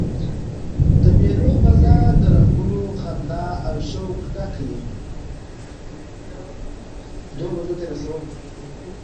د مېلو فضا د رنګونو، خندا او شوق ډکه يي.